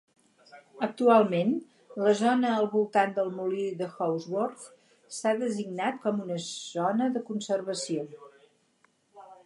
Actualment, la zona al voltant del molí Houldsworth s'ha designat com una zona de conservació.